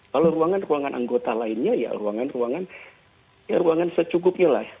kalau ruangan ruangan anggota lainnya ya ruangan ruangan ya ruangan secukupnya lah